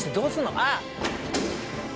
あっ。